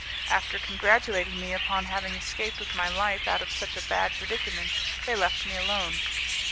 After congratulating me upon having escaped with my life out of such a bad predicament, they left me alone.